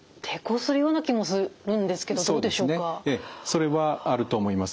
それはあると思います。